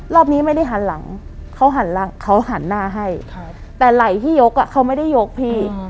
รอบนี้ไม่ได้หันหลังเขาหันหลังเขาหันหน้าให้แต่ไหล่ที่ยกเขาไม่ได้ยกพี่